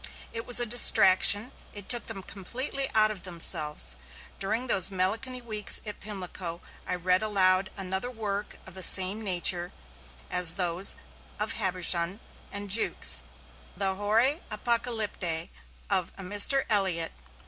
It was a distraction; it took them completely out of themselves. During those melancholy weeks at Pimlico, I read aloud another work of the same nature as those of Habershon and Jukes, the Horae Apocalypticae of a Mr. Elliott.